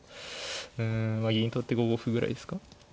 うん銀取って５五歩ぐらいですか。